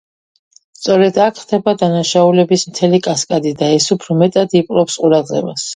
სწორედ აქ ხდება დანაშაულების მთელი კასკადი და ეს უფრო მეტად იპყრობს ყურადღებას.